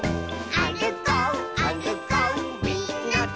「あるこうあるこうみんなで」